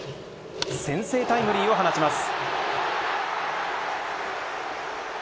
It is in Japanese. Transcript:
先制タイムリーを放ちます。